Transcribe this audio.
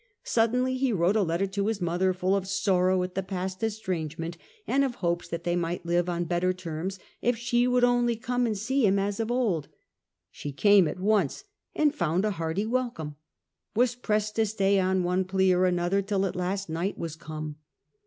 Suddenly he wrote a letter to his mother full of sorrow at the past estrange The dark Htent and of hopes that they might live on scheme to better terms if she would only come and see ilrown her in ,. r i ■, try the Bay of him as of old. She came at once, and found Naples. ^ hearty welcome ; was pressed to stay on one plea or another till at last night was come.